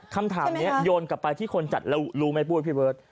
คำถามนี้โยนกลับไปที่คนจัดแล้วรู้ไหมปุ้ยพี่เบิร์ต